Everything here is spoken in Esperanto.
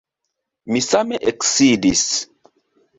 Mi same eksidis.